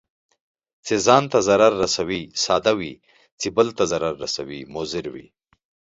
چي ځان ته ضرر رسوي، ساده وي، چې بل ته ضرر رسوي مضر وي.